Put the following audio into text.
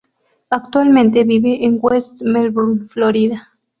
Actualmente vive en West Melbourne, Florida.